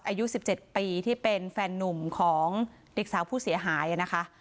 อายุ๑๗ปีที่เป็นแฟนนุ่มของเด็กสาวผู้เสียหายนะคะ